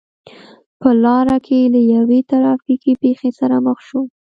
په لار کې له یوې ترا فیکې پېښې سره مخ شوم.